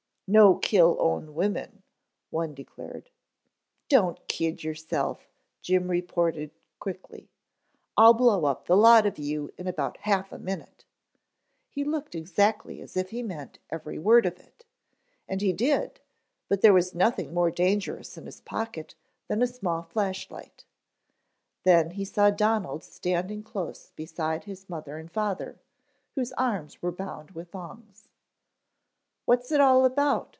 "No kill own women," one declared. "Don't kid yourself," Jim reported quickly. "I'll blow up the lot of you in about a half a minute." He looked exactly as if he meant every word of it, and he did, but there was nothing more dangerous in his pocket than a small flashlight. Then he saw Donald standing close beside his mother and father, whose arms were bound with thongs. "What's it all about?"